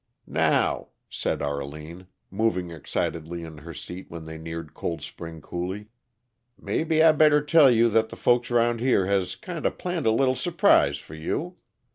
"Now," said Arline, moving excitedly in her seat when they neared Cold Spring Coulee, "maybe I better tell you that the folks round here has kinda planned a little su'prise for you.